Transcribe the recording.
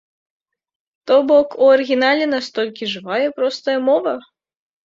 То бок, у арыгінале настолькі жывая і простая мова!